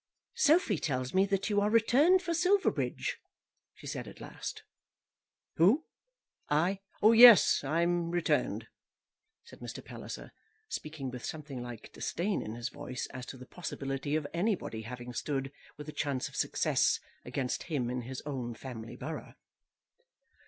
"Sophy tells me that you are returned for Silverbridge," she said at last. "Who? I! yes; I'm returned," said Mr. Palliser, speaking with something like disdain in his voice as to the possibility of anybody having stood with a chance of success against him in his own family borough.